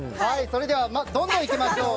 それではどんどん行きましょう。